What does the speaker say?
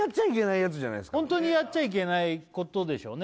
ホントにやっちゃいけないことでしょうね